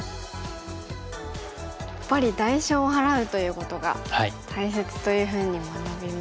やっぱり代償を払うということが大切というふうに学びましたが。